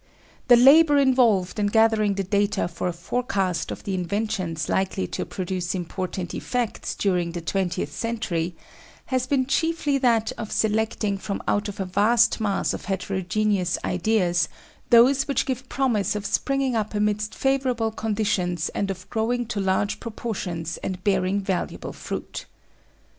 The labour involved in gathering the data for a forecast of the inventions likely to produce important effects during the twentieth century has been chiefly that of selecting from out of a vast mass of heterogeneous ideas those which give promise of springing up amidst favourable conditions and of growing to large proportions and bearing valuable fruit.